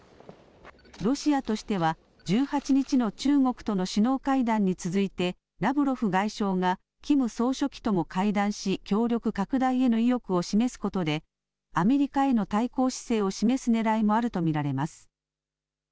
ロシアとしては、１８日の中国との首脳会談に続いて、ラブロフ外相がキム総書記とも会談し、協力拡大への意欲を示すことで、アメリカへの対抗姿勢を示すねらいもあると見られます。